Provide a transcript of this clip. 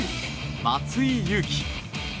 松井裕樹。